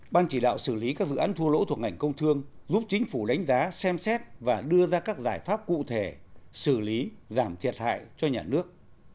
ban chỉ đạo xử lý các dự án thua lỗ thuộc ngành công thương giúp chính phủ đánh giá xem xét và đưa ra các giải pháp cụ thể xử lý giảm thiệt hại cho nhà nước